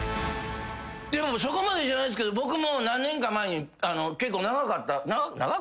でもそこまでじゃないですけど僕も何年か前に結構長かった長くはない。